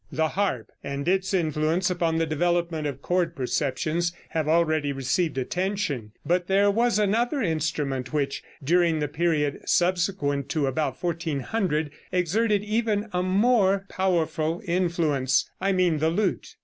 The harp and its influence upon the development of chord perceptions have already received attention, but there was another instrument which, during the period subsequent to about 1400, exerted even a more powerful influence I mean the lute.